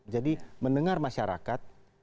jadi mendengar masyarakat